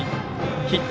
ヒット